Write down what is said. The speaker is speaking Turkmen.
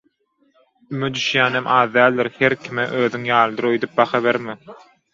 Üme düşýänem az däldir, her kime özüň ýalydyr öýdüp baha berme!